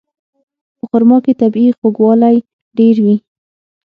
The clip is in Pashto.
په خرما کې طبیعي خوږوالی ډېر وي.